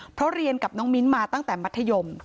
เพราะเรียนกับน้องมิ้นมาตั้งแต่มัธยม